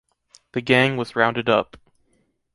The gang was rounded up.